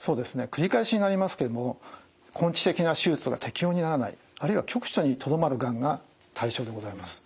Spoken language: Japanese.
繰り返しになりますけども根治的な手術が適応にならないあるいは局所にとどまるがんが対象でございます。